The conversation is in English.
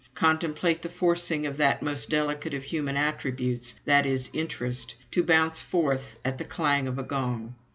Contemplate the forcing of that most delicate of human attributes, i.e., interest, to bounce forth at the clang of a gong.